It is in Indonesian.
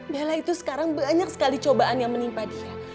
bella itu sekarang banyak sekali cobaan yang menimpa dia